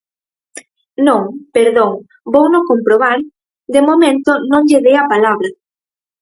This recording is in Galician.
Non, perdón, vouno comprobar, de momento non lle dei a palabra.